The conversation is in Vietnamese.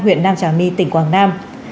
huyện nam trà my tỉnh quảng nam